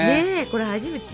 これ初めて。